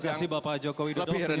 terima kasih bapak jokowi